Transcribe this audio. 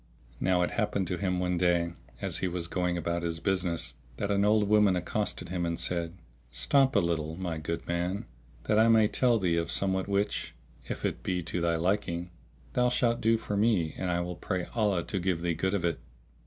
Now it happened to him one day, as he was going about his business, that an old woman accosted him and said, "Stop a little, my good man, that I may tell thee of somewhat which, if it be to thy liking, thou shalt do for me and I will pray Allah to give thee good of it!"